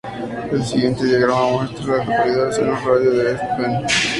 El siguiente diagrama muestra a las localidades en un radio de de East Bend.